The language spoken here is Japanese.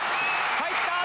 入った！